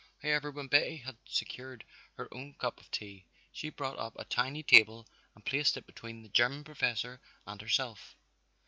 However, when Betty had secured her own cup of tea she brought up a tiny table and placed it between the German professor and herself.